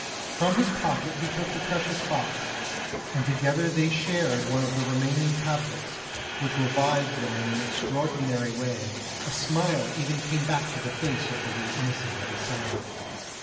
From his pocket he took the precious box, and together they shared one of the remaining tablets which revived them in an extraordinary way; a smile even came back to the face of the wee innocent at his side.